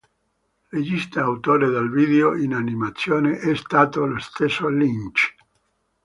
Regista e autore del video in animazione è stato lo stesso Lynch.